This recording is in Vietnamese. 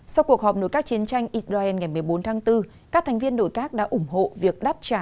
sau cuộc họp nội các chiến tranh israel ngày một mươi bốn tháng bốn các thành viên nội các đã ủng hộ việc đáp trả